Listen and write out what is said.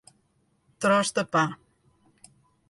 Tros de pa.